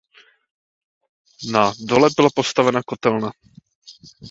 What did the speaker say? Na dole byla postavena kotelna.